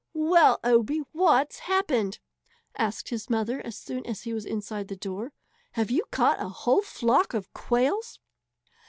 "Well, Obie, what's happened?" asked his mother as soon as he was inside the door. "Have you caught a whole flock of quails?"